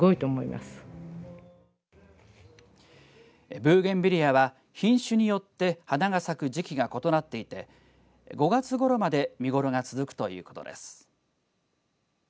ブーゲンビリアは品種によって花が咲く時期が異なっていて５月ごろまで見頃が続くということです。